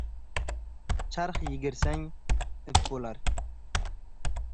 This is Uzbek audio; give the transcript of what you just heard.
Charx yigirsang, ip bo'lar.